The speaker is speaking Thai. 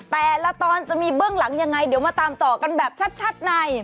แต่ละตอนจะมีเบื้องหลังยังไงเดี๋ยวมาตามต่อกันแบบชัดใน